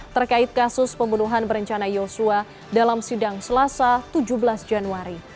terkait kasus pembunuhan berencana yosua dalam sidang selasa tujuh belas januari